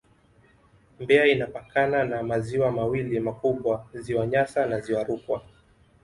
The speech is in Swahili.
Mbeya inapakana na maziwa mawili makubwa Ziwa Nyasa na Ziwa Rukwa